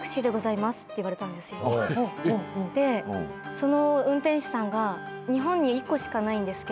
でその運転手さんが。